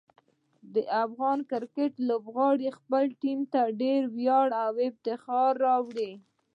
د افغان کرکټ لوبغاړي خپل ټیم ته ډېر ویاړ او افتخار راوړي.